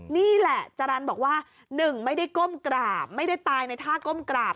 นี่แหละจรรย์บอกว่าหนึ่งไม่ได้ก้มกราบไม่ได้ตายในท่าก้มกราบ